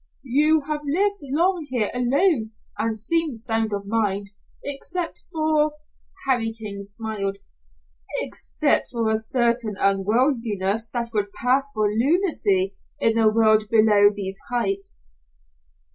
"You have lived long here alone and seem sound of mind, except for " Harry King smiled, "except for a certain unworldliness that would pass for lunacy in the world below these heights."